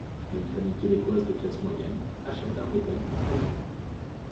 Une famille québécoise de classe moyenne, achète un motel en Floride.